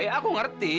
eh aku ngerti